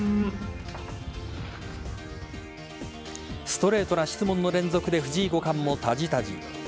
ストレートな質問の連続で藤井五冠もたじたじ。